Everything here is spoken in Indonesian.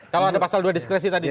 kalau ada pasal dua diskresi tadi